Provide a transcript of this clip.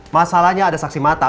masalahnya ada saksi mata